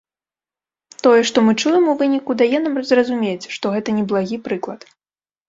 Тое, што мы чуем у выніку, дае нам зразумець, што гэта неблагі прыклад.